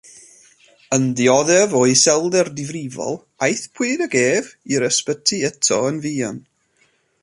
Yn dioddef o iselder difrifol, aethpwyd ag ef i'r ysbyty eto yn fuan.